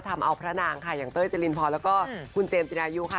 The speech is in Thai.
ทำเอาพระนางค่ะอย่างเต้ยเจรินพรแล้วก็คุณเจมส์จิรายุค่ะ